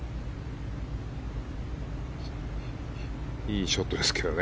いいショットですね。